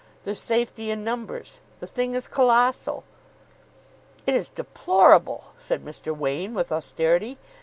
There's safety in numbers. The thing is colossal." "It is deplorable," said Mr. Wain, with austerity.